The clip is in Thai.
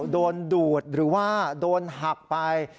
ดูดหรือว่าโดนหักไป